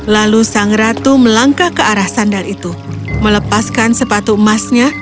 lalu sang ratu melangkah ke arah sandal itu melepaskan sepatu emasnya